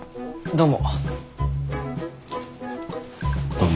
どうも。